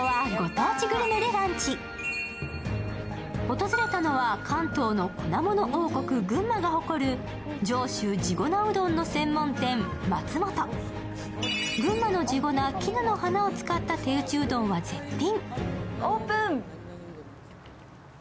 訪れたのは関東の粉もの王国・群馬が誇る上州地粉うどんの専門店、まつもと群馬の地粉、絹の華を使った手打ちうどんは絶品。